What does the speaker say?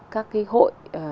các cái hội